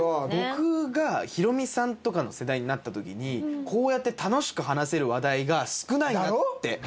僕がヒロミさんとかの世代になった時にこうやって楽しく話せる話題が少ないなって。